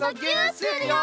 するよ！